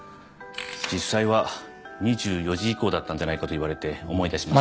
「実際は２４時以降だったんじゃないか」と言われて思い出しまし。